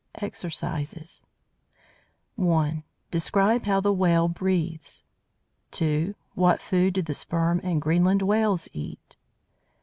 EXERCISES 1. Describe how the Whale breathes. 2. What food do the Sperm and Greenland Whales eat?